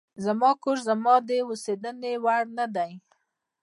زما کور زما د اوسېدلو وړ نه دی.